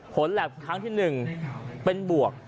ผลแลนด์ครั้งที่หนึ่งเป็นบวก